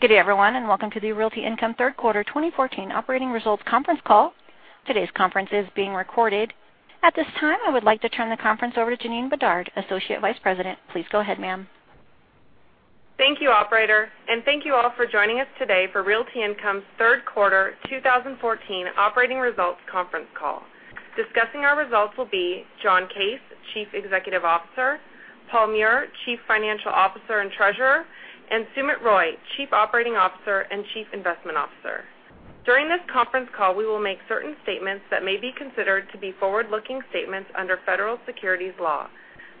Good day, everyone, welcome to the Realty Income Third Quarter 2014 Operating Results Conference Call. Today's conference is being recorded. At this time, I would like to turn the conference over to Jana Galan, Associate Vice President. Please go ahead, ma'am. Thank you, Operator, thank you all for joining us today for Realty Income's Third Quarter 2014 Operating Results Conference Call. Discussing our results will be John Case, Chief Executive Officer, Paul Meurer, Chief Financial Officer and Treasurer, and Sumit Roy, Chief Operating Officer and Chief Investment Officer. During this conference call, we will make certain statements that may be considered to be forward-looking statements under federal securities law.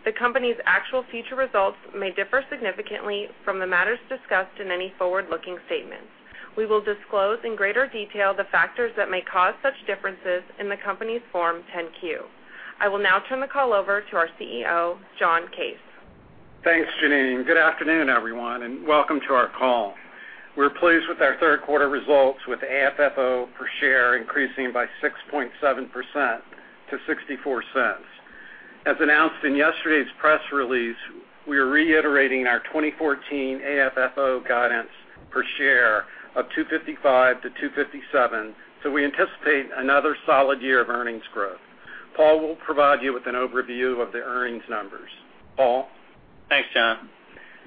The company's actual future results may differ significantly from the matters discussed in any forward-looking statements. We will disclose in greater detail the factors that may cause such differences in the company's Form 10-Q. I will now turn the call over to our CEO, John Case. Thanks, Jana. Good afternoon, everyone, welcome to our call. We're pleased with our third quarter results with AFFO per share increasing by 6.7% to $0.64. As announced in yesterday's press release, we are reiterating our 2014 AFFO guidance per share of $2.55-$2.57, we anticipate another solid year of earnings growth. Paul will provide you with an overview of the earnings numbers. Paul? Thanks, John.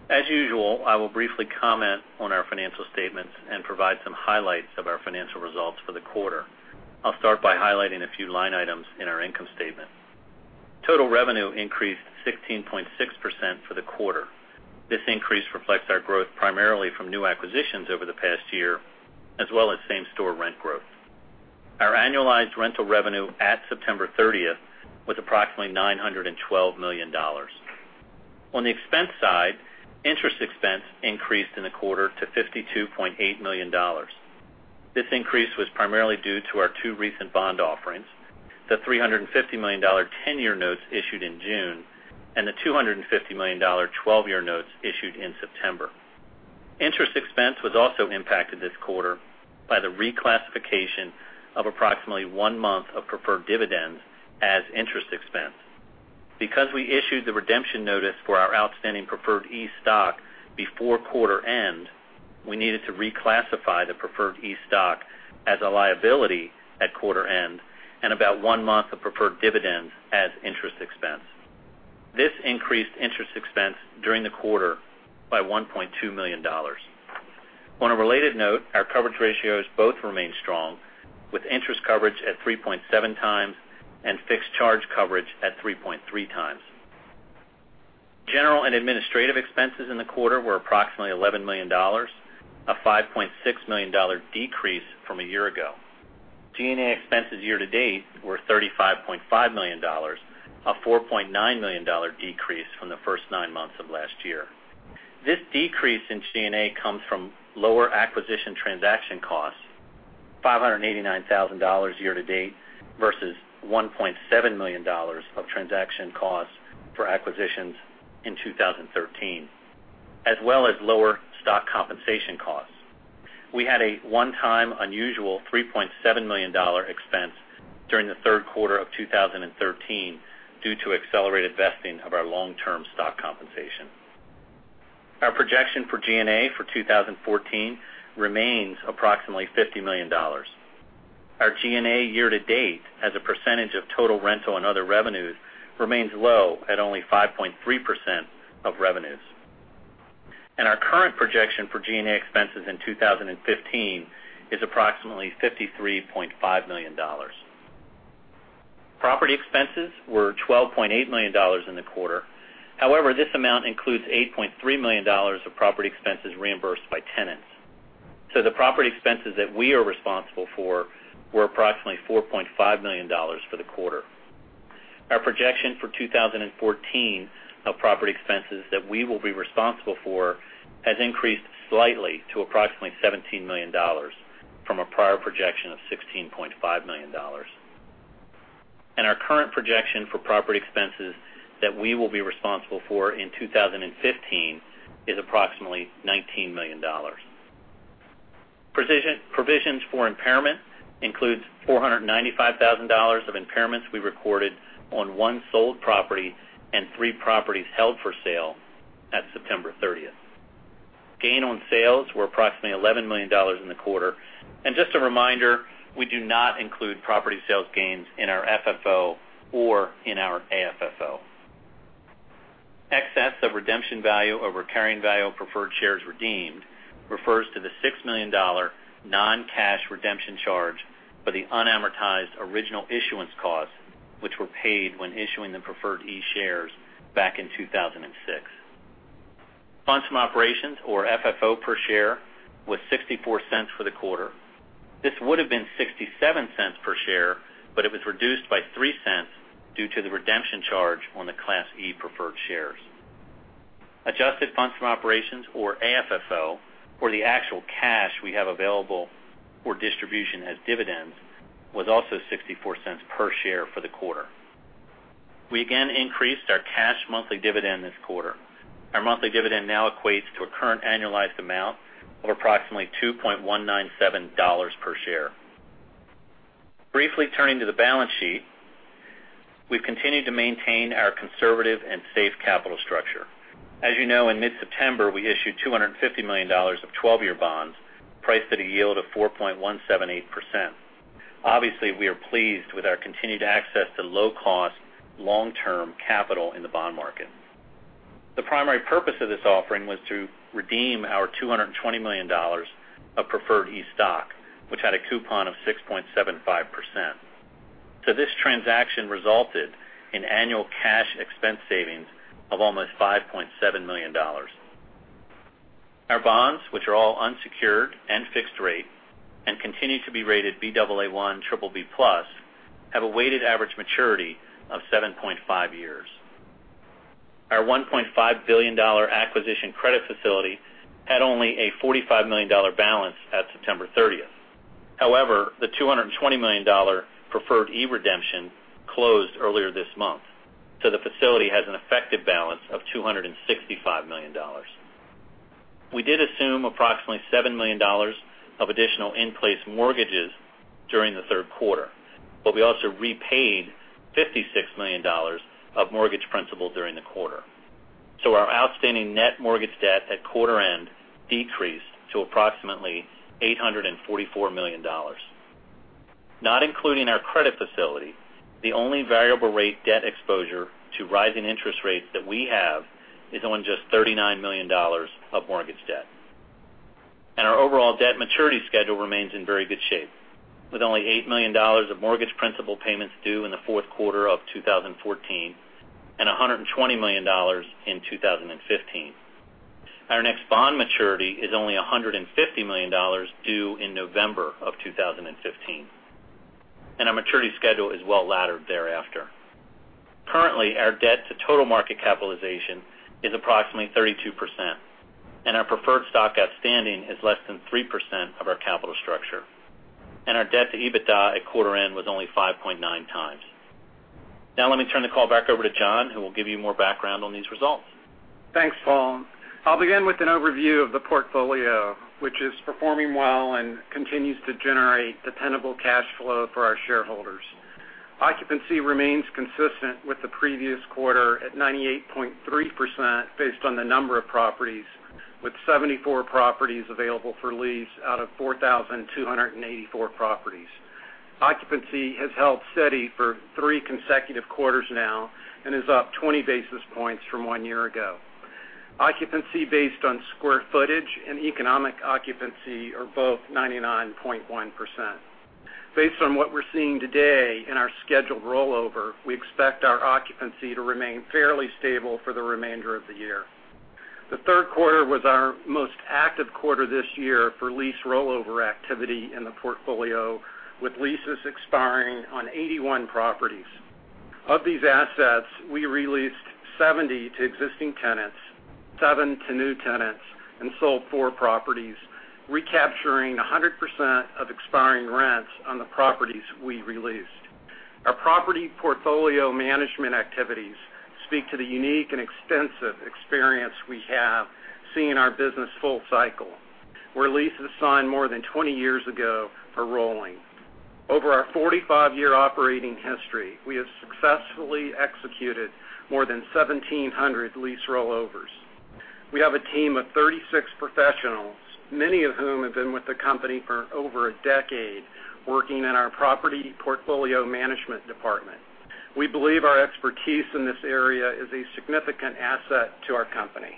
As usual, I will briefly comment on our financial statements and provide some highlights of our financial results for the quarter. I'll start by highlighting a few line items in our income statement. Total revenue increased 16.6% for the quarter. This increase reflects our growth primarily from new acquisitions over the past year, as well as same-store rent growth. Our annualized rental revenue at September 30th was approximately $912 million. On the expense side, interest expense increased in the quarter to $52.8 million. This increase was primarily due to our two recent bond offerings, the $350 million 10-year notes issued in June, the $250 million 12-year notes issued in September. Interest expense was also impacted this quarter by the reclassification of approximately one month of preferred dividends as interest expense. Because we issued the redemption notice for our outstanding preferred E stock before quarter end, we needed to reclassify the preferred E stock as a liability at quarter end and about one month of preferred dividends as interest expense. This increased interest expense during the quarter by $1.2 million. On a related note, our coverage ratios both remain strong, with interest coverage at 3.7 times and fixed charge coverage at 3.3 times. General and administrative expenses in the quarter were approximately $11 million, a $5.6 million decrease from a year ago. G&A expenses year to date were $35.5 million, a $4.9 million decrease from the first nine months of last year. This decrease in G&A comes from lower acquisition transaction costs, $589,000 year to date versus $1.7 million of transaction costs for acquisitions in 2013, as well as lower stock compensation costs. We had a one-time unusual $3.7 million expense during the third quarter of 2013 due to accelerated vesting of our long-term stock compensation. Our projection for G&A for 2014 remains approximately $50 million. Our G&A year to date as a percentage of total rental and other revenues remains low at only 5.3% of revenues. Our current projection for G&A expenses in 2015 is approximately $53.5 million. Property expenses were $12.8 million in the quarter. However, this amount includes $8.3 million of property expenses reimbursed by tenants. The property expenses that we are responsible for were approximately $4.5 million for the quarter. Our projection for 2014 of property expenses that we will be responsible for has increased slightly to approximately $17 million from a prior projection of $16.5 million. Our current projection for property expenses that we will be responsible for in 2015 is approximately $19 million. Provisions for impairment includes $495,000 of impairments we recorded on one sold property and three properties held for sale at September 30th. Gain on sales were approximately $11 million in the quarter. Just a reminder, we do not include property sales gains in our FFO or in our AFFO. Excess of redemption value over carrying value of preferred shares redeemed refers to the $6 million non-cash redemption charge for the unamortized original issuance costs, which were paid when issuing the preferred E shares back in 2006. Funds from operations, or FFO per share, was $0.64 for the quarter. This would have been $0.67 per share, but it was reduced by $0.03 due to the redemption charge on the Class E preferred shares. Adjusted funds from operations, or AFFO, or the actual cash we have available for distribution as dividends, was also $0.64 per share for the quarter. We again increased our cash monthly dividend this quarter. Our monthly dividend now equates to a current annualized amount of approximately $2.197 per share. Briefly turning to the balance sheet, we've continued to maintain our conservative and safe capital structure. As you know, in mid-September, we issued $250 million of 12-year bonds priced at a yield of 4.178%. Obviously, we are pleased with our continued access to low-cost, long-term capital in the bond market. The primary purpose of this offering was to redeem our $220 million of preferred E stock, which had a coupon of 6.75%. This transaction resulted in annual cash expense savings of almost $5.7 million. Our bonds, which are all unsecured and fixed rate and continue to be rated Baa1 BBB+, have a weighted average maturity of 7.5 years. However, the $1.5 billion acquisition credit facility had only a $45 million balance at September 30th. The $220 million Preferred E redemption closed earlier this month, so the facility has an effective balance of $265 million. We did assume approximately $7 million of additional in-place mortgages during the third quarter, but we also repaid $56 million of mortgage principal during the quarter. Our outstanding net mortgage debt at quarter-end decreased to approximately $844 million. Not including our credit facility, the only variable rate debt exposure to rising interest rates that we have is on just $39 million of mortgage debt. Our overall debt maturity schedule remains in very good shape, with only $8 million of mortgage principal payments due in the fourth quarter of 2014 and $120 million in 2015. Our next bond maturity is only $150 million due in November of 2015, and our maturity schedule is well-laddered thereafter. Currently, our debt to total market capitalization is approximately 32%, and our preferred stock outstanding is less than 3% of our capital structure. Our debt to EBITDA at quarter-end was only 5.9 times. Now, let me turn the call back over to John, who will give you more background on these results. Thanks, Paul. I'll begin with an overview of the portfolio, which is performing well and continues to generate dependable cash flow for our shareholders. Occupancy remains consistent with the previous quarter at 98.3%, based on the number of properties, with 74 properties available for lease out of 4,284 properties. Occupancy has held steady for three consecutive quarters now and is up 20 basis points from one year ago. Occupancy based on square footage and economic occupancy are both 99.1%. Based on what we're seeing today in our scheduled rollover, we expect our occupancy to remain fairly stable for the remainder of the year. The third quarter was our most active quarter this year for lease rollover activity in the portfolio, with leases expiring on 81 properties. Of these assets, we re-leased 70 to existing tenants, seven to new tenants, and sold four properties, recapturing 100% of expiring rents on the properties we re-leased. Our property portfolio management activities speak to the unique and extensive experience we have seeing our business full cycle, where leases signed more than 20 years ago are rolling. Over our 45-year operating history, we have successfully executed more than 1,700 lease rollovers. We have a team of 36 professionals, many of whom have been with the company for over a decade, working in our property portfolio management department. We believe our expertise in this area is a significant asset to our company.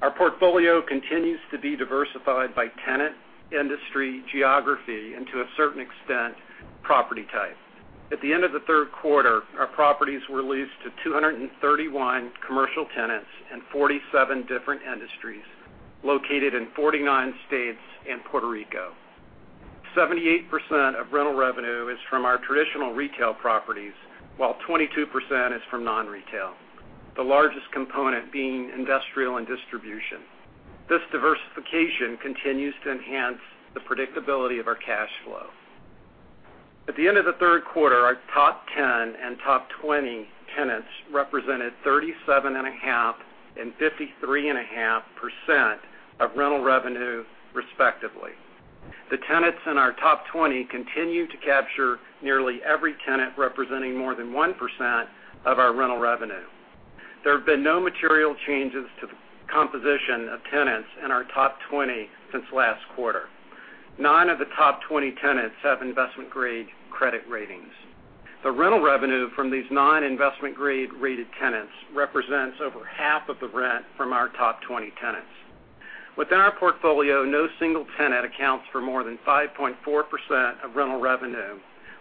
Our portfolio continues to be diversified by tenant, industry, geography, and to a certain extent, property type. At the end of the third quarter, our properties were leased to 231 commercial tenants in 47 different industries located in 49 states and Puerto Rico. 78% of rental revenue is from our traditional retail properties, while 22% is from non-retail, the largest component being industrial and distribution. This diversification continues to enhance the predictability of our cash flow. At the end of the third quarter, our top 10 and top 20 tenants represented 37.5% and 53.5% of rental revenue, respectively. The tenants in our top 20 continue to capture nearly every tenant representing more than 1% of our rental revenue. There have been no material changes to the composition of tenants in our top 20 since last quarter. Nine of the top 20 tenants have investment-grade credit ratings. The rental revenue from these nine investment-grade-rated tenants represents over half of the rent from our top 20 tenants. Within our portfolio, no single tenant accounts for more than 5.4% of rental revenue,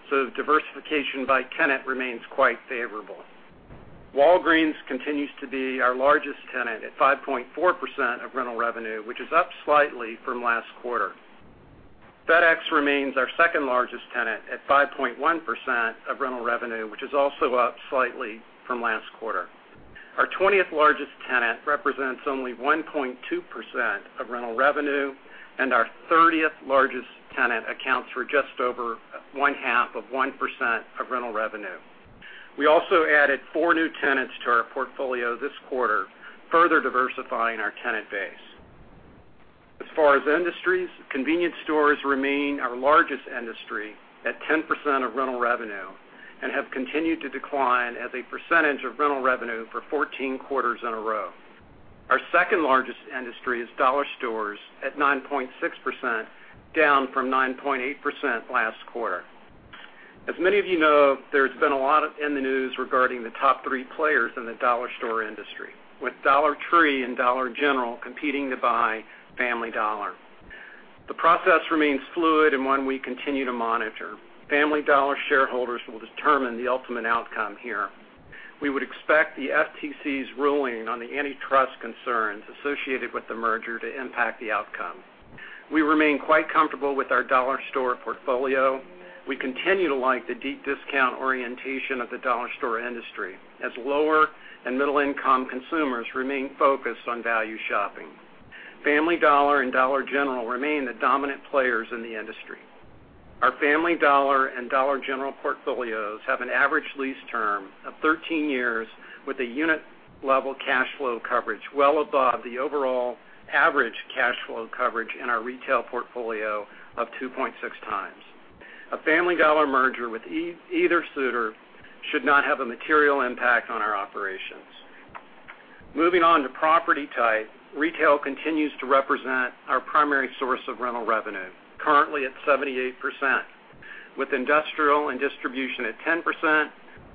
the diversification by tenant remains quite favorable. Walgreens continues to be our largest tenant at 5.4% of rental revenue, which is up slightly from last quarter. FedEx remains our second-largest tenant at 5.1% of rental revenue, which is also up slightly from last quarter. Our 20th-largest tenant represents only 1.2% of rental revenue, and our 30th-largest tenant accounts for just over one-half of 1% of rental revenue. We also added four new tenants to our portfolio this quarter, further diversifying our tenant base. Far as industries, convenience stores remain our largest industry at 10% of rental revenue and have continued to decline as a percentage of rental revenue for 14 quarters in a row. Our second-largest industry is dollar stores at 9.6%, down from 9.8% last quarter. Many of you know, there's been a lot in the news regarding the top three players in the dollar store industry, with Dollar Tree and Dollar General competing to buy Family Dollar. The process remains fluid and one we continue to monitor. Family Dollar shareholders will determine the ultimate outcome here. We would expect the FTC's ruling on the antitrust concerns associated with the merger to impact the outcome. We remain quite comfortable with our dollar store portfolio. We continue to like the deep discount orientation of the dollar store industry as lower and middle-income consumers remain focused on value shopping. Family Dollar and Dollar General remain the dominant players in the industry. Our Family Dollar and Dollar General portfolios have an average lease term of 13 years, with a unit-level cash flow coverage well above the overall average cash flow coverage in our retail portfolio of 2.6 times. A Family Dollar merger with either suitor should not have a material impact on our operations. Moving on to property type, retail continues to represent our primary source of rental revenue, currently at 78%, with industrial and distribution at 10%,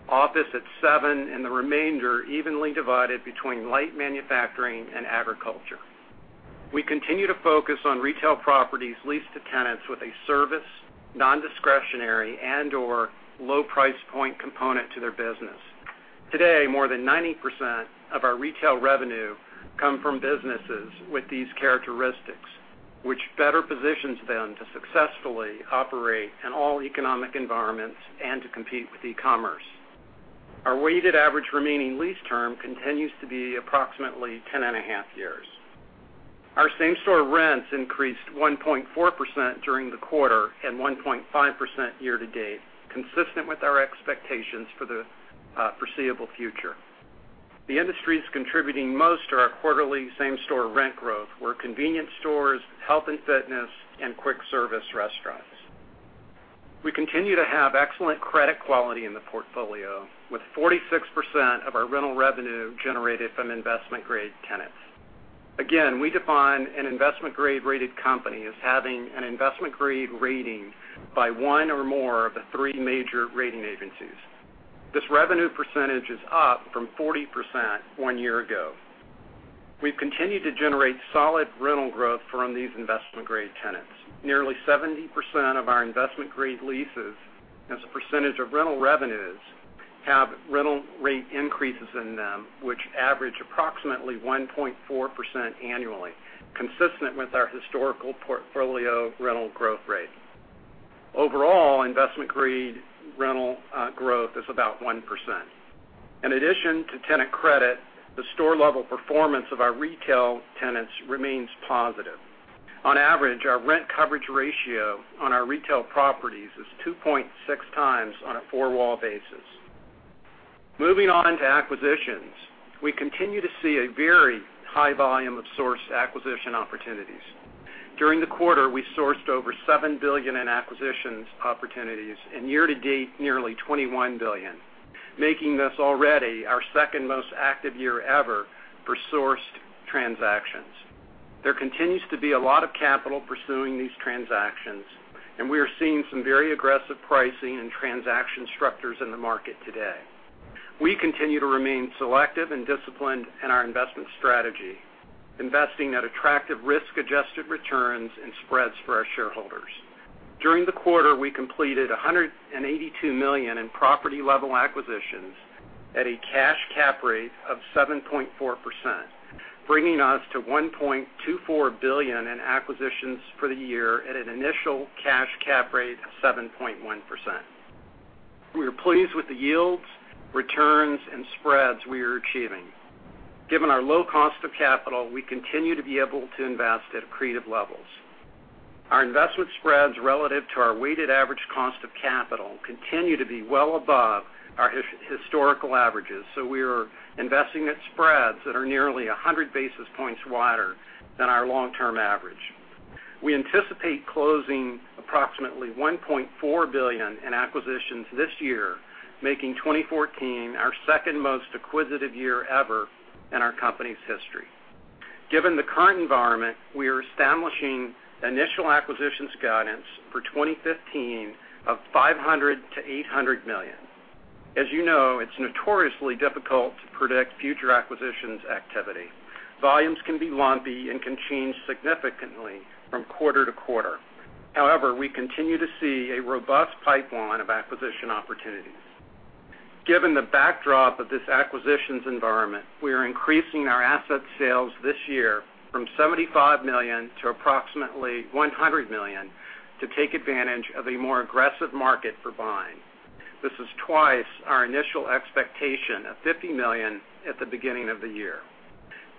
office at 7%, and the remainder evenly divided between light manufacturing and agriculture. We continue to focus on retail properties leased to tenants with a service, non-discretionary, and/or low price point component to their business. Today, more than 90% of our retail revenue come from businesses with these characteristics, which better positions them to successfully operate in all economic environments and to compete with e-commerce. Our weighted average remaining lease term continues to be approximately 10 and a half years. Our same-store rents increased 1.4% during the quarter and 1.5% year-to-date, consistent with our expectations for the foreseeable future. The industries contributing most to our quarterly same-store rent growth were convenience stores, health and fitness, and quick-service restaurants. We continue to have excellent credit quality in the portfolio, with 46% of our rental revenue generated from investment-grade tenants. Again, we define an investment-grade rated company as having an investment-grade rating by one or more of the three major rating agencies. This revenue percentage is up from 40% one year ago. We've continued to generate solid rental growth from these investment-grade tenants. Nearly 70% of our investment-grade leases, as a percentage of rental revenues, have rental rate increases in them, which average approximately 1.4% annually, consistent with our historical portfolio rental growth rate. Overall, investment-grade rental growth is about 1%. In addition to tenant credit, the store-level performance of our retail tenants remains positive. On average, our rent coverage ratio on our retail properties is 2.6 times on a four-wall basis. Moving on to acquisitions. We continue to see a very high volume of sourced acquisition opportunities. During the quarter, we sourced over $7 billion in acquisitions opportunities and year-to-date, nearly $21 billion, making this already our second-most active year ever for sourced transactions. We are seeing some very aggressive pricing and transaction structures in the market today. We continue to remain selective and disciplined in our investment strategy, investing at attractive risk-adjusted returns and spreads for our shareholders. During the quarter, we completed $182 million in property-level acquisitions at a cash cap rate of 7.4%, bringing us to $1.24 billion in acquisitions for the year at an initial cash cap rate of 7.1%. We are pleased with the yields, returns, and spreads we are achieving. Given our low cost of capital, we continue to be able to invest at accretive levels. Our investment spreads relative to our weighted average cost of capital continue to be well above our historical averages, we are investing at spreads that are nearly 100 basis points wider than our long-term average. We anticipate closing approximately $1.4 billion in acquisitions this year, making 2014 our second-most acquisitive year ever in our company's history. Given the current environment, we are establishing initial acquisitions guidance for 2015 of $500 million-$800 million. As you know, it's notoriously difficult to predict future acquisitions activity. Volumes can be lumpy and can change significantly from quarter to quarter. However, we continue to see a robust pipeline of acquisition opportunities. Given the backdrop of this acquisitions environment, we are increasing our asset sales this year from $75 million to approximately $100 million to take advantage of a more aggressive market for buying. This is twice our initial expectation of $50 million at the beginning of the year.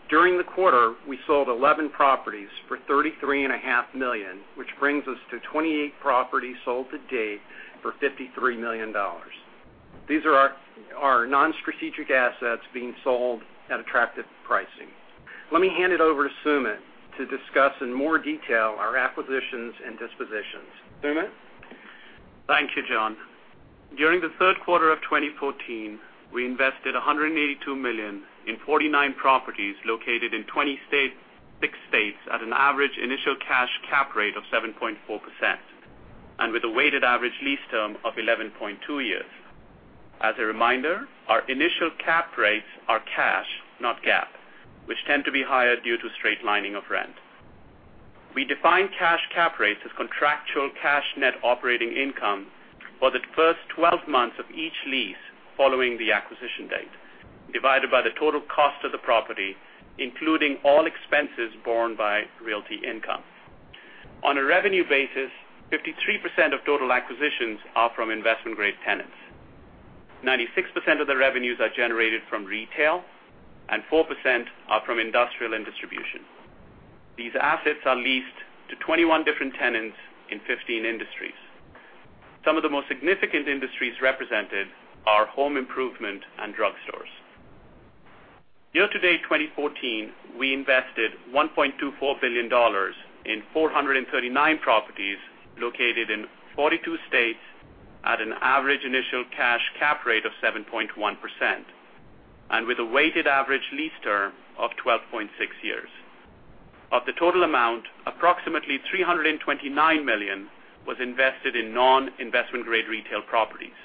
During the quarter, we sold 11 properties for $33.5 million, which brings us to 28 properties sold to date for $53 million. These are our non-strategic assets being sold at attractive pricing. Let me hand it over to Sumit to discuss in more detail our acquisitions and dispositions. Sumit? Thank you, John. During the third quarter of 2014, we invested $182 million in 49 properties located in 26 states at an average initial cash cap rate of 7.4%, and with a weighted average lease term of 11.2 years. As a reminder, our initial cap rates are cash, not GAAP, which tend to be higher due to straight lining of rent. We define cash cap rates as contractual cash net operating income for the first 12 months of each lease following the acquisition date, divided by the total cost of the property, including all expenses borne by Realty Income. On a revenue basis, 53% of total acquisitions are from investment-grade tenants. 96% of the revenues are generated from retail, and 4% are from industrial and distribution. These assets are leased to 21 different tenants in 15 industries. Some of the most significant industries represented are home improvement and drugstores. Year-to-date 2014, we invested $1.24 billion in 439 properties located in 42 states at an average initial cash cap rate of 7.1%, and with a weighted average lease term of 12.6 years. Of the total amount, approximately $329 million was invested in non-investment grade retail properties.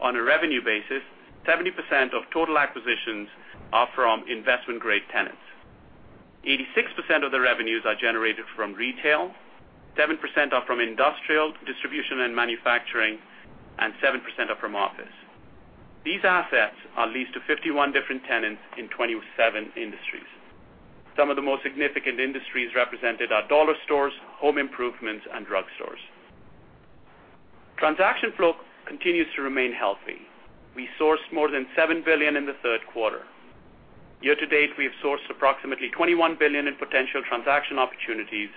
On a revenue basis, 70% of total acquisitions are from investment-grade tenants. 86% of the revenues are generated from retail, 7% are from industrial distribution and manufacturing, and 7% are from office. These assets are leased to 51 different tenants in 27 industries. Some of the most significant industries represented are dollar stores, home improvements, and drugstores. Transaction flow continues to remain healthy. We sourced more than $7 billion in the third quarter. Year-to-date, we have sourced approximately $21 billion in potential transaction opportunities,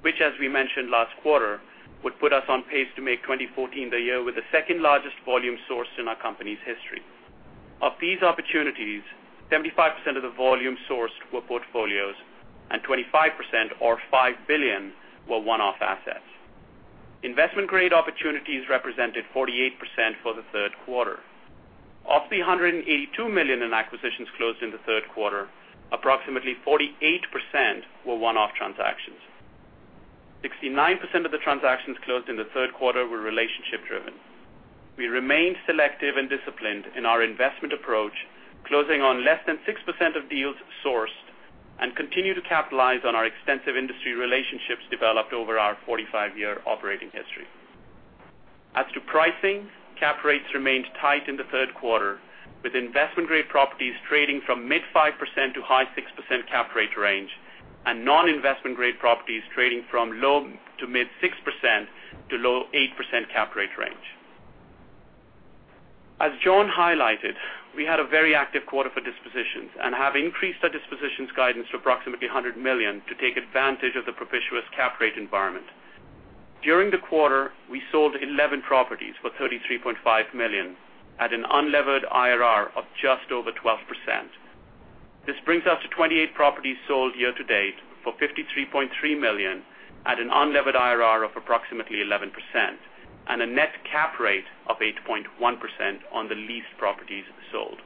which as we mentioned last quarter, would put us on pace to make 2014 the year with the second-largest volume sourced in our company's history. Of these opportunities, 75% of the volume sourced were portfolios, and 25%, or $5 billion, were one-off assets. Investment-grade opportunities represented 48% for the third quarter. Of the $182 million in acquisitions closed in the third quarter, approximately 48% were one-off transactions. 69% of the transactions closed in the third quarter were relationship-driven. We remained selective and disciplined in our investment approach, closing on less than six percent of deals sourced, and continue to capitalize on our extensive industry relationships developed over our 45-year operating history. As to pricing, cap rates remained tight in the third quarter, with investment-grade properties trading from mid-5% to high 6% cap rate range, and non-investment grade properties trading from low to mid-6% to low 8% cap rate range. As John highlighted, we had a very active quarter for dispositions and have increased our dispositions guidance to approximately $100 million to take advantage of the propitious cap rate environment. During the quarter, we sold 11 properties for $33.5 million at an unlevered IRR of just over 12%. This brings us to 28 properties sold year-to-date for $53.3 million at an unlevered IRR of approximately 11%, and a net cap rate of 8.1% on the leased properties sold.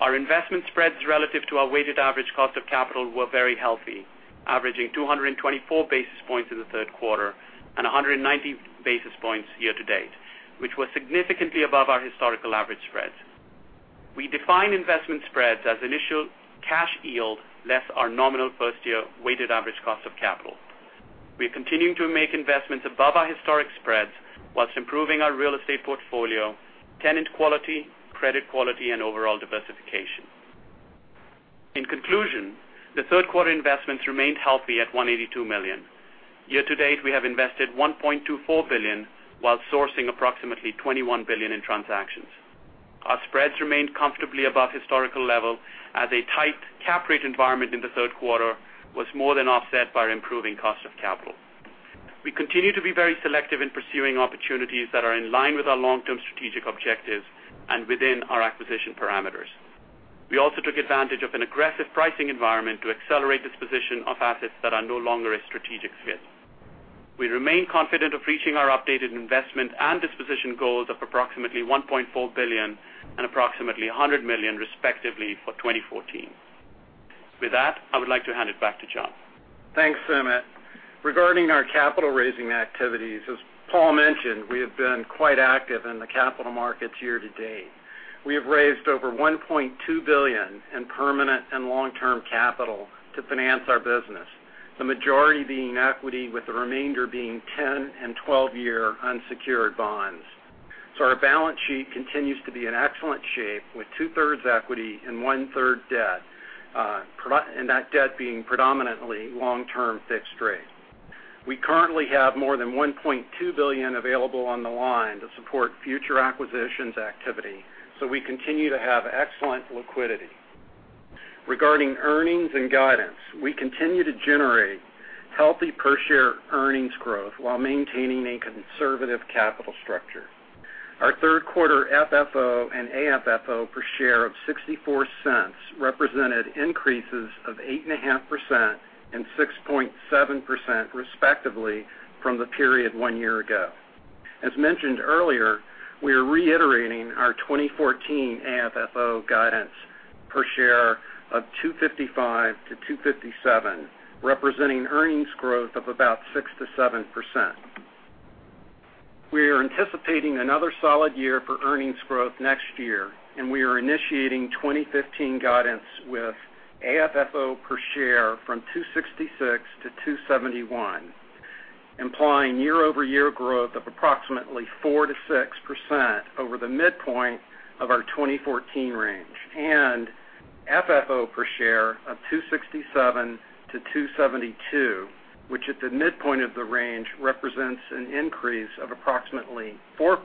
Our investment spreads relative to our weighted average cost of capital were very healthy, averaging 224 basis points in the third quarter and 190 basis points year-to-date, which was significantly above our historical average spreads. We define investment spreads as initial cash yield less our nominal first-year weighted average cost of capital. We're continuing to make investments above our historic spreads whilst improving our real estate portfolio, tenant quality, credit quality, and overall diversification. In conclusion, the third quarter investments remained healthy at $182 million. Year-to-date, we have invested $1.24 billion while sourcing approximately $21 billion in transactions. Our spreads remained comfortably above historical level as a tight cap rate environment in the third quarter was more than offset by our improving cost of capital. We continue to be very selective in pursuing opportunities that are in line with our long-term strategic objectives and within our acquisition parameters. We also took advantage of an aggressive pricing environment to accelerate disposition of assets that are no longer a strategic fit. We remain confident of reaching our updated investment and disposition goals of approximately $1.4 billion and approximately $100 million respectively for 2014. With that, I would like to hand it back to John. Thanks, Sumit. Regarding our capital-raising activities, as Paul mentioned, we have been quite active in the capital markets year-to-date. We have raised over $1.2 billion in permanent and long-term capital to finance our business, the majority being equity, with the remainder being 10 and 12-year unsecured bonds. Our balance sheet continues to be in excellent shape with two-thirds equity and one-third debt, and that debt being predominantly long-term fixed rate. We currently have more than $1.2 billion available on the line to support future acquisitions activity. We continue to have excellent liquidity. Regarding earnings and guidance, we continue to generate healthy per share earnings growth while maintaining a conservative capital structure. Our third quarter FFO and AFFO per share of $0.64 represented increases of 8.5% and 6.7%, respectively, from the period one year ago. As mentioned earlier, we are reiterating our 2014 AFFO guidance per share of $2.55 to $2.57, representing earnings growth of about 6%-7%. We are anticipating another solid year for earnings growth next year. We are initiating 2015 guidance with AFFO per share from $2.66 to $2.71, implying year-over-year growth of approximately 4%-6% over the midpoint of our 2014 range. FFO per share of $2.67 to $2.72, which at the midpoint of the range represents an increase of approximately 4%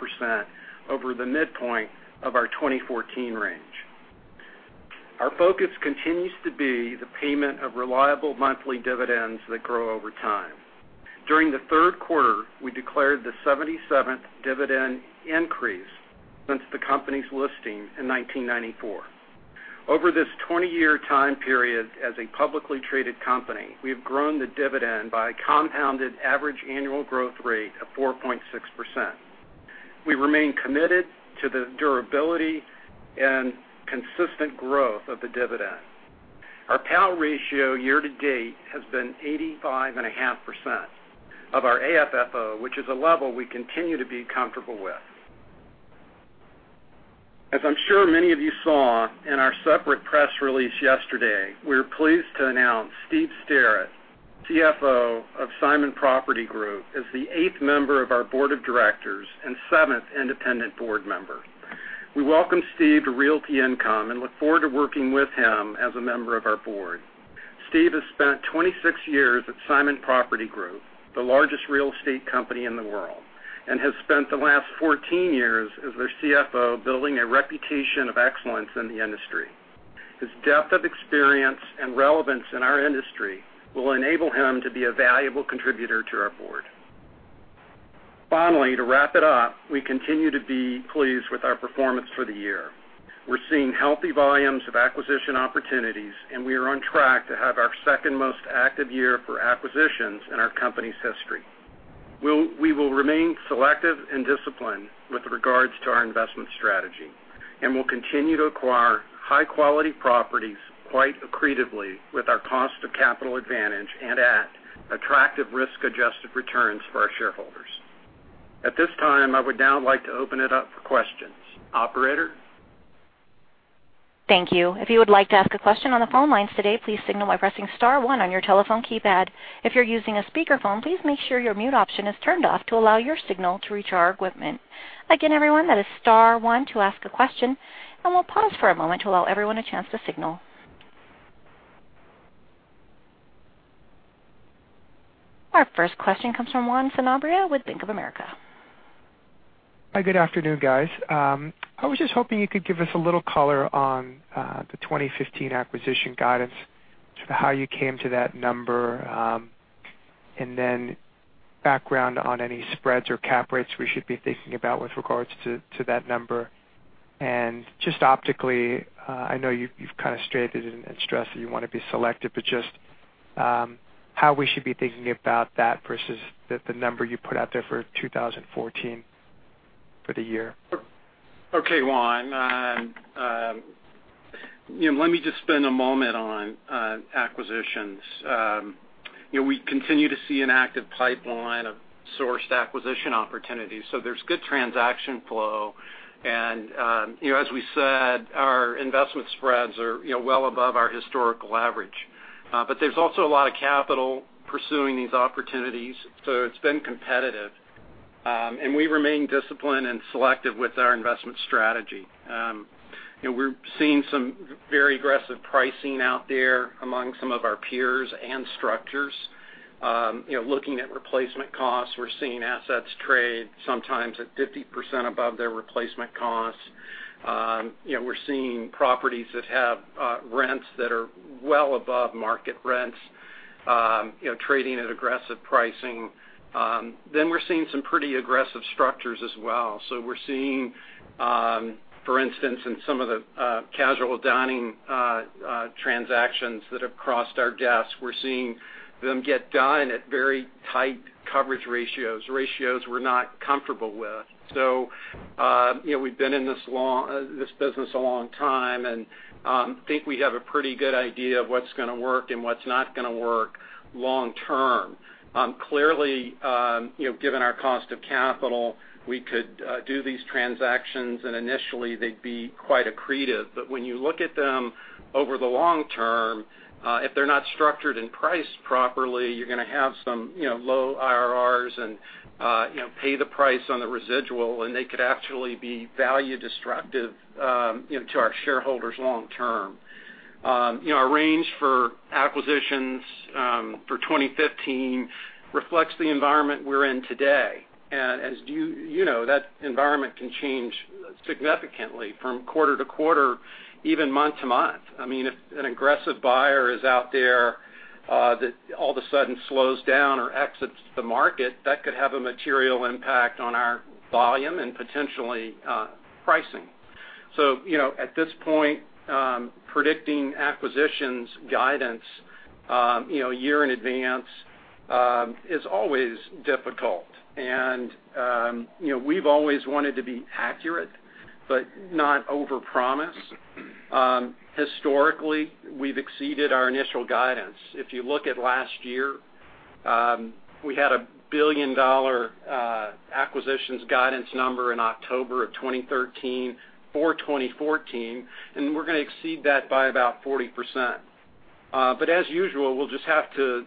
over the midpoint of our 2014 range. Our focus continues to be the payment of reliable monthly dividends that grow over time. During the third quarter, we declared the 77th dividend increase since the company's listing in 1994. Over this 20-year time period as a publicly traded company, we've grown the dividend by a compounded average annual growth rate of 4.6%. We remain committed to the durability and consistent growth of the dividend. Our payout ratio year to date has been 85.5% of our AFFO, which is a level we continue to be comfortable with. As I'm sure many of you saw in our separate press release yesterday, we're pleased to announce Steve Sterrett, CFO of Simon Property Group, as the eighth member of our board of directors and seventh independent board member. We welcome Steve to Realty Income and look forward to working with him as a member of our board. Steve has spent 26 years at Simon Property Group, the largest real estate company in the world, and has spent the last 14 years as their CFO, building a reputation of excellence in the industry. His depth of experience and relevance in our industry will enable him to be a valuable contributor to our board. Finally, to wrap it up, we continue to be pleased with our performance for the year. We're seeing healthy volumes of acquisition opportunities. We are on track to have our second-most active year for acquisitions in our company's history. We will remain selective and disciplined with regards to our investment strategy and will continue to acquire high-quality properties quite accretively with our cost of capital advantage and at attractive risk-adjusted returns for our shareholders. At this time, I would now like to open it up for questions. Operator? Thank you. If you would like to ask a question on the phone lines today, please signal by pressing *1 on your telephone keypad. If you're using a speakerphone, please make sure your mute option is turned off to allow your signal to reach our equipment. Again, everyone, that is *1 to ask a question. We'll pause for a moment to allow everyone a chance to signal. Our first question comes from Juan Sanabria with Bank of America. Hi, good afternoon, guys. I was just hoping you could give us a little color on the 2015 acquisition guidance, how you came to that number. Then background on any spreads or cap rates we should be thinking about with regards to that number. Just optically, I know you've kind of stated and stressed that you want to be selective, but just how we should be thinking about that versus the number you put out there for 2014 for the year. Okay, Juan, let me just spend a moment on acquisitions. We continue to see an active pipeline of sourced acquisition opportunities. There's good transaction flow and, as we said, our investment spreads are well above our historical average. There's also a lot of capital pursuing these opportunities, so it's been competitive. We remain disciplined and selective with our investment strategy. We're seeing some very aggressive pricing out there among some of our peers and structures. Looking at replacement costs, we're seeing assets trade sometimes at 50% above their replacement costs. We're seeing properties that have rents that are well above market rents trading at aggressive pricing. We're seeing some pretty aggressive structures as well. We're seeing, for instance, in some of the casual dining transactions that have crossed our desk, we're seeing them get done at very tight coverage ratios we're not comfortable with. We've been in this business a long time, and I think we have a pretty good idea of what's going to work and what's not going to work long term. Clearly, given our cost of capital, we could do these transactions, and initially, they'd be quite accretive. But when you look at them over the long term, if they're not structured and priced properly, you're going to have some low IRR and pay the price on the residual, and they could actually be value-destructive to our shareholders long term. Our range for acquisitions for 2015 reflects the environment we're in today. As you know, that environment can change significantly from quarter to quarter, even month to month. If an aggressive buyer is out there that all of a sudden slows down or exits the market, that could have a material impact on our volume and potentially pricing. At this point, predicting acquisitions guidance a year in advance is always difficult. We've always wanted to be accurate, but not overpromise. Historically, we've exceeded our initial guidance. If you look at last year, we had a $1 billion acquisitions guidance number in October of 2013 for 2014, and we're going to exceed that by about 40%. As usual, we'll just have to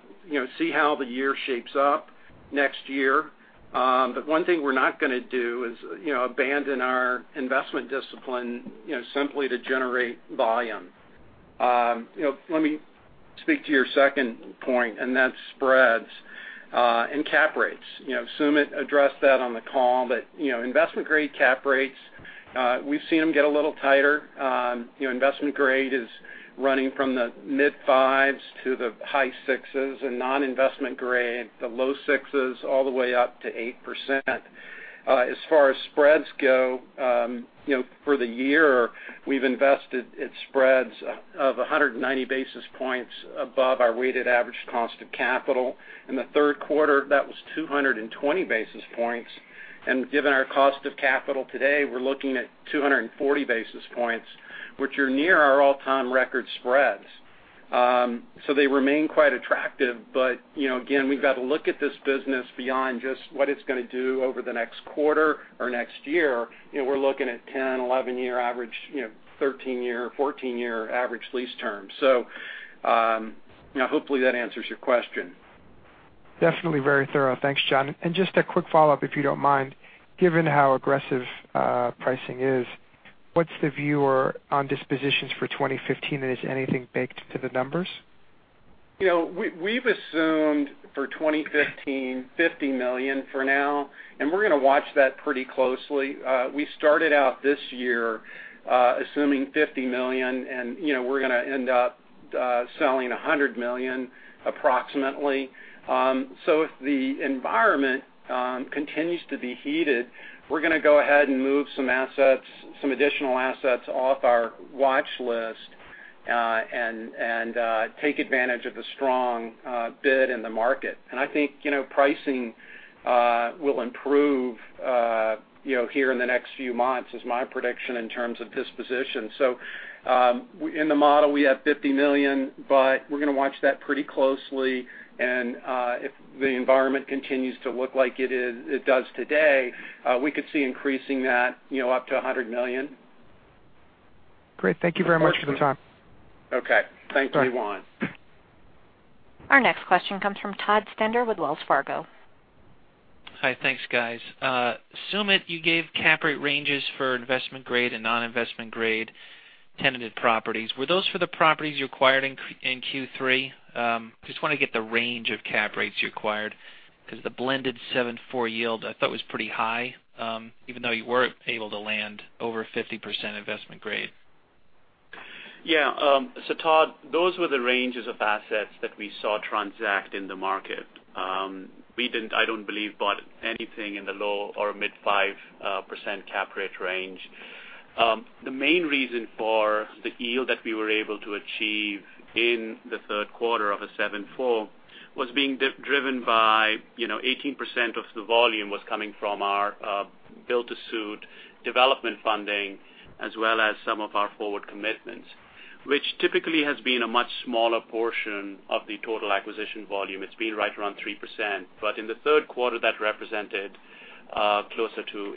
see how the year shapes up next year. One thing we're not going to do is abandon our investment discipline simply to generate volume. Let me speak to your second point, and that's spreads and cap rates. Sumit addressed that on the call. Investment-grade cap rates, we've seen them get a little tighter. Investment grade is running from the mid 5s to the high 6s, and non-investment grade, the low 6s all the way up to 8%. As far as spreads go, for the year, we've invested in spreads of 190 basis points above our weighted average cost of capital. In the third quarter, that was 220 basis points. Given our cost of capital today, we're looking at 240 basis points, which are near our all-time record spreads. They remain quite attractive, but again, we've got to look at this business beyond just what it's going to do over the next quarter or next year. We're looking at 10-, 11-year average, 13-, 14-year average lease terms. Hopefully, that answers your question. Definitely very thorough. Thanks, John. Just a quick follow-up, if you don't mind. Given how aggressive pricing is, what's the view on dispositions for 2015, and is anything baked into the numbers? We've assumed for 2015, $50 million for now, we're going to watch that pretty closely. We started out this year assuming $50 million, we're going to end up selling $100 million approximately. If the environment continues to be heated, we're going to go ahead and move some additional assets off our watch list and take advantage of the strong bid in the market. I think pricing will improve here in the next few months, is my prediction in terms of disposition. In the model, we have $50 million, we're going to watch that pretty closely. If the environment continues to look like it does today, we could see increasing that up to $100 million. Great. Thank you very much for the time. Okay. Thanks, Juan. Our next question comes from Todd Stender with Wells Fargo. Hi. Thanks, guys. Sumit, you gave cap rate ranges for investment-grade and non-investment-grade tenanted properties. Were those for the properties you acquired in Q3? Just want to get the range of cap rates you acquired, because the blended 7.4 yield I thought was pretty high, even though you were able to land over 50% investment-grade. Yeah. Todd, those were the ranges of assets that we saw transact in the market. We, I don't believe, bought anything in the low or mid 5% cap rate range. The main reason for the yield that we were able to achieve in the third quarter of a 7.4 was being driven by 18% of the volume was coming from our build-to-suit development funding, as well as some of our forward commitments, which typically has been a much smaller portion of the total acquisition volume. It's been right around 3%, but in the third quarter, that represented closer to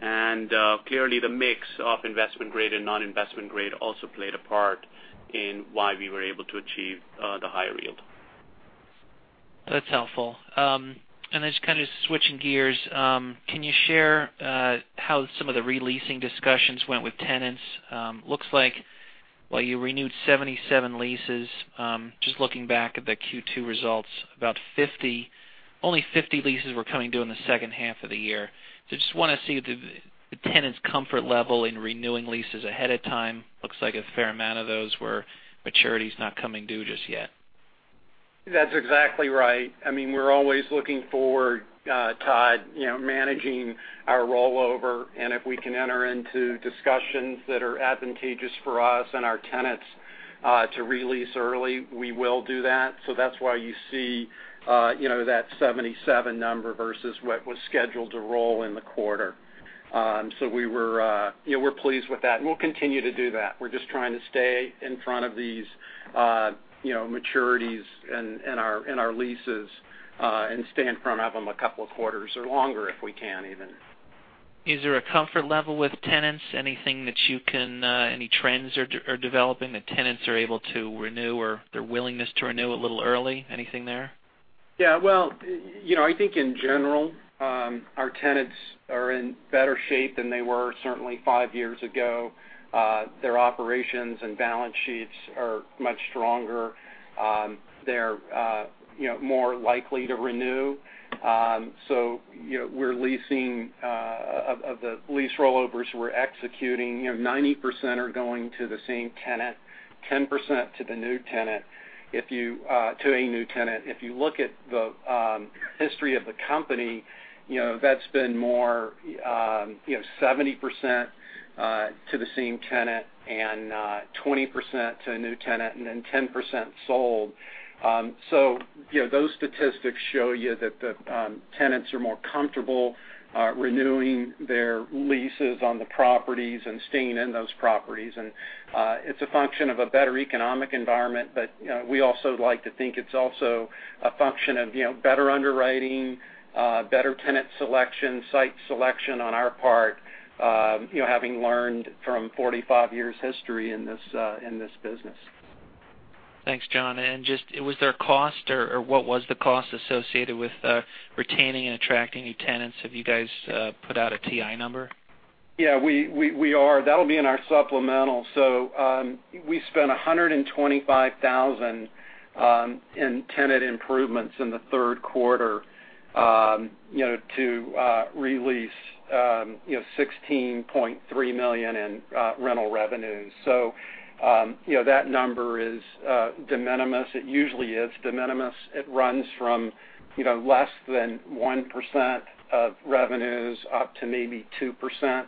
18%. Clearly, the mix of investment-grade and non-investment-grade also played a part in why we were able to achieve the higher yield. That's helpful. Then just kind of switching gears, can you share how some of the re-leasing discussions went with tenants? Looks like while you renewed 77 leases, just looking back at the Q2 results, only 50 leases were coming due in the second half of the year. Just want to see the tenants' comfort level in renewing leases ahead of time. Looks like a fair amount of those were maturities not coming due just yet. That's exactly right. We're always looking forward, Todd, managing our rollover, and if we can enter into discussions that are advantageous for us and our tenants to re-lease early, we will do that. That's why you see that 77 number versus what was scheduled to roll in the quarter. We're pleased with that, and we'll continue to do that. We're just trying to stay in front of these maturities and our leases and stay in front of them a couple of quarters or longer if we can, even. Is there a comfort level with tenants? Any trends are developing that tenants are able to renew or their willingness to renew a little early? Anything there? Well, I think in general, our tenants are in better shape than they were certainly five years ago. Their operations and balance sheets are much stronger. They're more likely to renew. We're leasing, of the lease rollovers we're executing, 90% are going to the same tenant, 10% to a new tenant. If you look at the history of the company, that's been more 70% to the same tenant and 20% to a new tenant, and then 10% sold. Those statistics show you that the tenants are more comfortable renewing their leases on the properties and staying in those properties. It's a function of a better economic environment, but we also like to think it's also a function of better underwriting, better tenant selection, site selection on our part, having learned from 45 years history in this business. Thanks, John. Just, was there a cost or what was the cost associated with retaining and attracting new tenants? Have you guys put out a TI number? Yeah, we are. That'll be in our supplemental. We spent $125,000 in tenant improvements in the third quarter, to release $16.3 million in rental revenues. That number is de minimis. It usually is de minimis. It runs from less than 1% of revenues up to maybe 2%.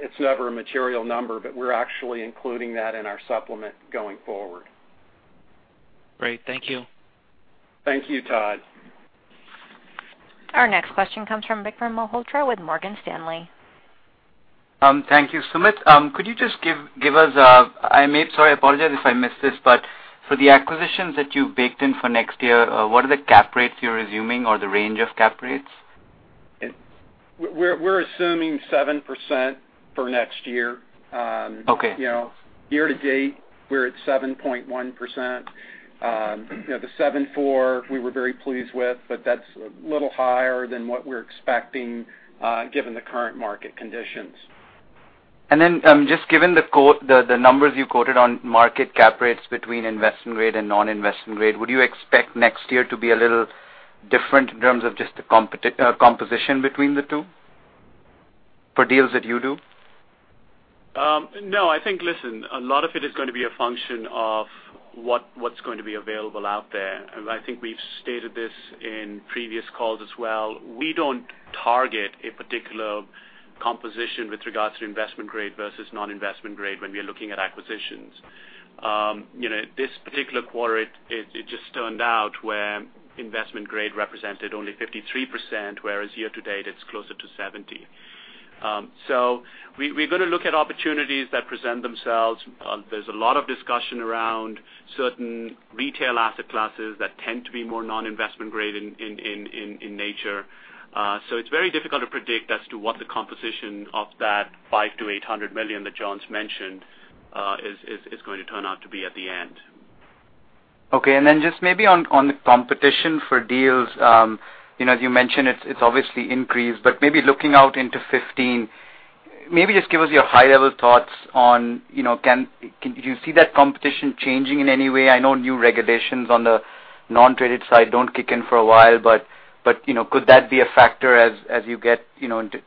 It's never a material number, but we're actually including that in our supplement going forward. Great. Thank you. Thank you, Todd. Our next question comes from Vikram Malhotra with Morgan Stanley. Thank you. Sumit, could you just give us, I apologize if I missed this, but for the acquisitions that you've baked in for next year, what are the cap rates you're assuming or the range of cap rates? We're assuming 7% for next year. Okay. Year-to-date, we're at 7.1%. The 7.4% we were very pleased with, but that's a little higher than what we're expecting, given the current market conditions. Just given the numbers you quoted on market cap rates between investment grade and non-investment grade, would you expect next year to be a little different in terms of just the composition between the two, for deals that you do? No. I think, listen, a lot of it is going to be a function of what's going to be available out there. I think we've stated this in previous calls as well. We don't target a particular composition with regards to investment-grade versus non-investment grade when we're looking at acquisitions. This particular quarter, it just turned out where investment-grade represented only 53%, whereas year-to-date, it's closer to 70%. We're going to look at opportunities that present themselves. There's a lot of discussion around certain retail asset classes that tend to be more non-investment grade in nature. It's very difficult to predict as to what the composition of that $500 million-$800 million that John's mentioned, is going to turn out to be at the end. Okay, just maybe on the competition for deals. As you mentioned, it's obviously increased, maybe looking out into 2015, maybe just give us your high-level thoughts on, do you see that competition changing in any way? I know new regulations on the non-traded side don't kick in for a while, could that be a factor as you get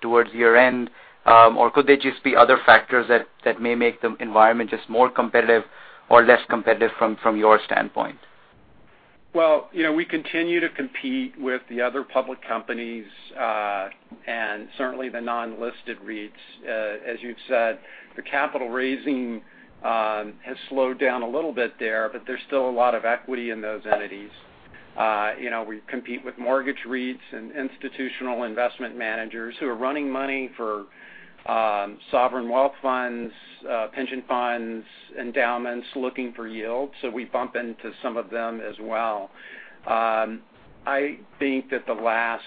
towards year-end? Could there just be other factors that may make the environment just more competitive or less competitive from your standpoint? Well, we continue to compete with the other public companies, and certainly the non-listed REITs. As you've said, the capital raising has slowed down a little bit there's still a lot of equity in those entities. We compete with mortgage REITs and institutional investment managers who are running money for sovereign wealth funds, pension funds, endowments looking for yield, we bump into some of them as well. I think that the last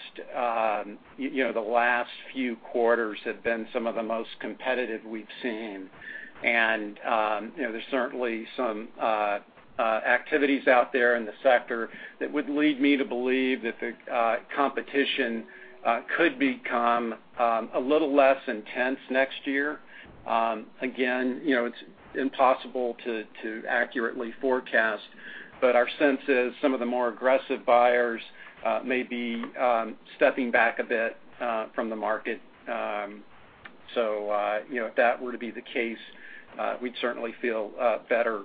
few quarters have been some of the most competitive we've seen. There's certainly some activities out there in the sector that would lead me to believe that the competition could become a little less intense next year. Again, it's impossible to accurately forecast, our sense is some of the more aggressive buyers may be stepping back a bit from the market. If that were to be the case, we'd certainly feel better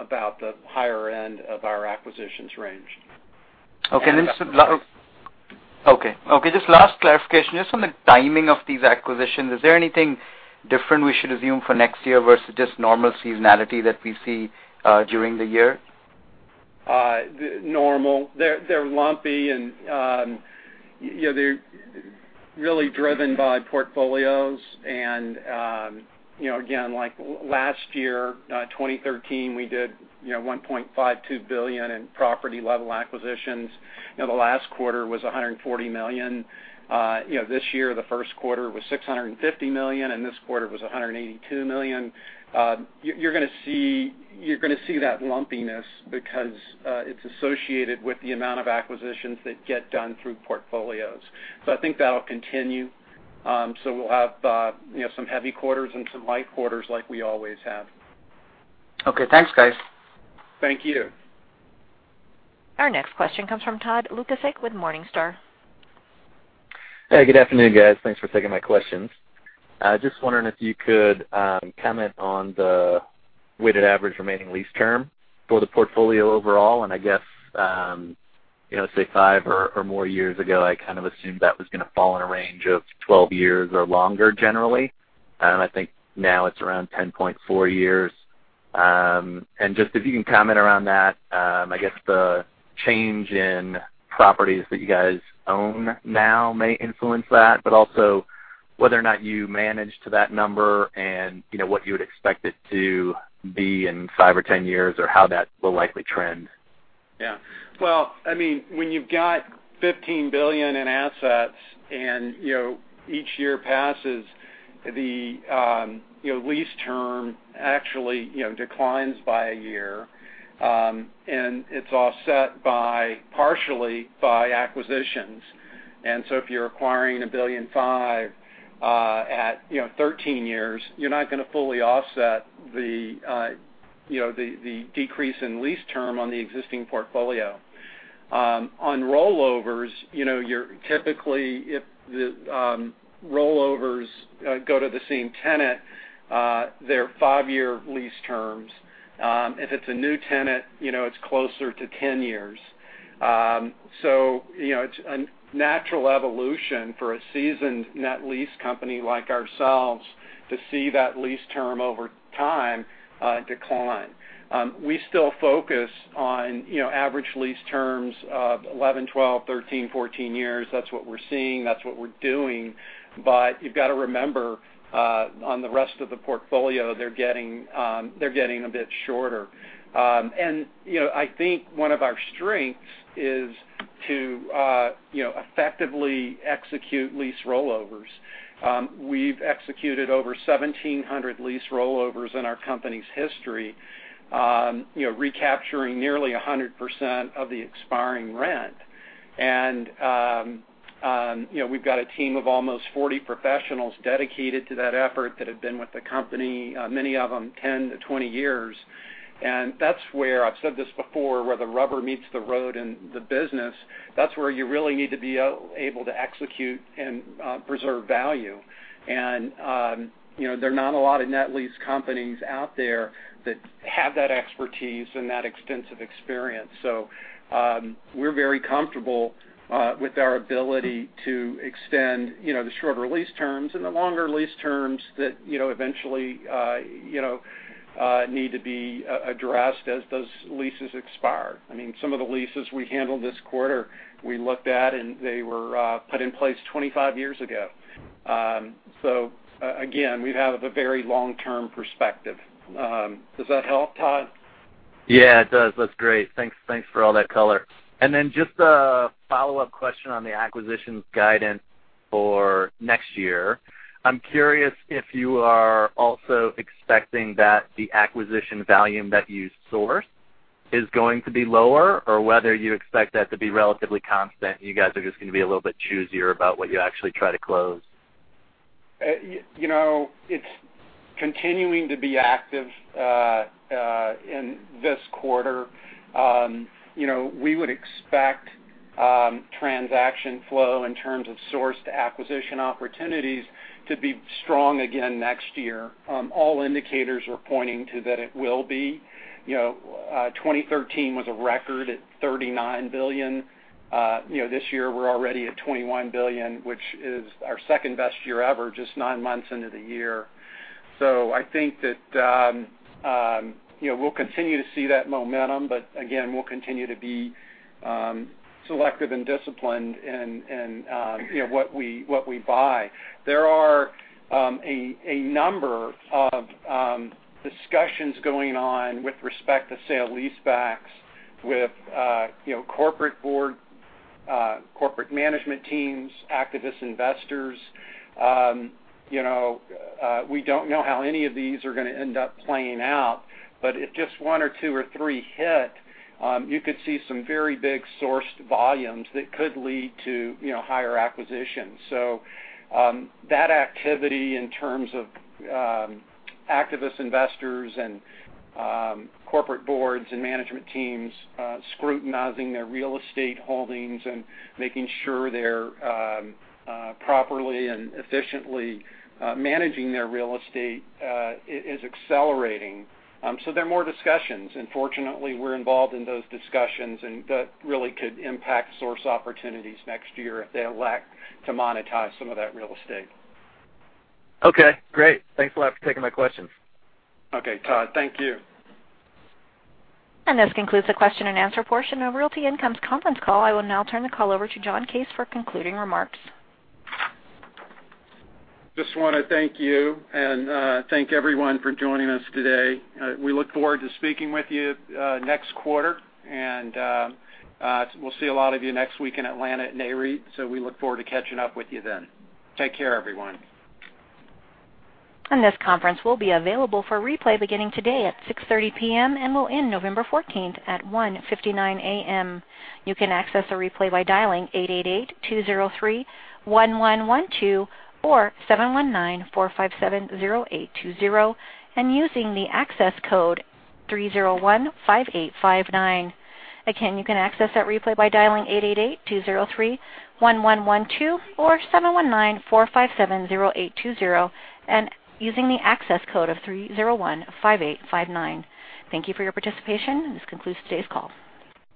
about the higher end of our acquisitions range. Okay. Just last clarification, just on the timing of these acquisitions, is there anything different we should assume for next year versus just normal seasonality that we see during the year? Normal. They're lumpy, and they're really driven by portfolios. Again, like last year, 2013, we did $1.52 billion in property-level acquisitions. The last quarter was $140 million. This year, the first quarter was $650 million, and this quarter was $182 million. You're going to see that lumpiness because it's associated with the amount of acquisitions that get done through portfolios. I think that'll continue. We'll have some heavy quarters and some light quarters like we always have. Okay, thanks, guys. Thank you. Our next question comes from Todd Lukaszczyk with Morningstar. Hey, good afternoon, guys. Thanks for taking my questions. Just wondering if you could comment on the weighted average remaining lease term for the portfolio overall, I guess, say five or more years ago, I kind of assumed that was going to fall in a range of 12 years or longer generally. I think now it's around 10.4 years. Just if you can comment around that, I guess the change in properties that you guys own now may influence that, but also whether or not you managed to that number and what you would expect it to be in five or 10 years or how that will likely trend. Yeah. Well, when you've got $15 billion in assets and each year passes, the lease term actually declines by a year, and it's offset partially by acquisitions. If you're acquiring $1.5 billion at 13 years, you're not going to fully offset the decrease in lease term on the existing portfolio. On rollovers, typically, if the rollovers go to the same tenant, they're five-year lease terms. If it's a new tenant, it's closer to 10 years. It's a natural evolution for a seasoned net lease company like ourselves to see that lease term over time decline. We still focus on average lease terms of 11, 12, 13, 14 years. That's what we're seeing. That's what we're doing. You've got to remember, on the rest of the portfolio, they're getting a bit shorter. I think one of our strengths is to effectively execute lease rollovers. We've executed over 1,700 lease rollovers in our company's history, recapturing nearly 100% of the expiring rent. We've got a team of almost 40 professionals dedicated to that effort that have been with the company, many of them 10 to 20 years. That's where, I've said this before, where the rubber meets the road in the business. That's where you really need to be able to execute and preserve value. There are not a lot of net lease companies out there that have that expertise and that extensive experience. We're very comfortable with our ability to extend the shorter lease terms and the longer lease terms that eventually need to be addressed as those leases expire. Some of the leases we handled this quarter, we looked at, and they were put in place 25 years ago. Again, we have a very long-term perspective. Does that help, Todd? Yeah, it does. That's great. Thanks for all that color. Just a follow-up question on the acquisitions guidance for next year. I'm curious if you are also expecting that the acquisition volume that you source is going to be lower, or whether you expect that to be relatively constant, and you guys are just going to be a little bit choosier about what you actually try to close. It's continuing to be active in this quarter. We would expect transaction flow in terms of sourced acquisition opportunities to be strong again next year. All indicators are pointing to that it will be. 2013 was a record at $39 billion. This year, we're already at $21 billion, which is our second-best year ever, just nine months into the year. I think that we'll continue to see that momentum. Again, we'll continue to be selective and disciplined in what we buy. There are a number of discussions going on with respect to sale-leasebacks with corporate board, corporate management teams, activist investors. We don't know how any of these are going to end up playing out, but if just one or two or three hit, you could see some very big sourced volumes that could lead to higher acquisitions. That activity in terms of activist investors and corporate boards and management teams scrutinizing their real estate holdings and making sure they're properly and efficiently managing their real estate is accelerating. There are more discussions, and fortunately, we're involved in those discussions, and that really could impact source opportunities next year if they elect to monetize some of that real estate. Okay, great. Thanks a lot for taking my questions. Okay, Todd. Thank you. This concludes the question-and-answer portion of Realty Income's conference call. I will now turn the call over to John Case for concluding remarks. Just want to thank you and thank everyone for joining us today. We look forward to speaking with you next quarter. We'll see a lot of you next week in Atlanta at NAREIT. We look forward to catching up with you then. Take care, everyone. This conference will be available for replay beginning today at 6:30 P.M. and will end November 14th at 1:59 A.M. You can access the replay by dialing 888-203-1112 or 719-457-0820 and using the access code 3015859. Again, you can access that replay by dialing 888-203-1112 or 719-457-0820 and using the access code of 3015859. Thank you for your participation. This concludes today's call.